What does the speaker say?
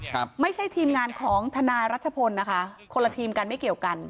ครับไม่ใช่ทีมงานของทนายรัชพลนะคะคนละทีมกันไม่เกี่ยวกัน